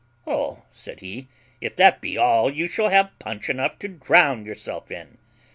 O! said he, if that be all you shall have punch enough to drown yourself in.